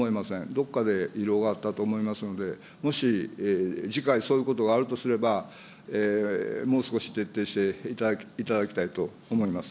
どこかで遺漏があったと思いますので、もし、次回、そういうことがあるとすれば、もう少し徹底していただきたいと思います。